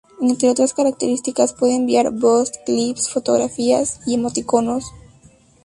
Entre otras características puede enviar voz-clips, fotografías y emoticonos.